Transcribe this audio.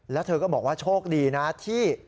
แล้วเธอก็บอกว่าโชคดีนะที่